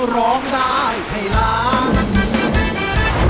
ร้องได้ให้ล้าน